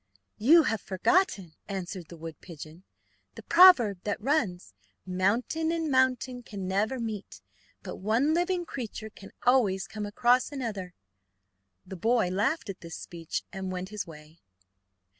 "You have forgotten," answered the wood pigeon, "the proverb that runs, 'mountain and mountain can never meet, but one living creature can always come across another.'" The boy laughed at this speech and went his way.